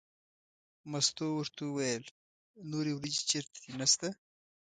مستو ورته وویل نورې وریجې چېرته دي نشته.